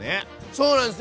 そうなんすよ。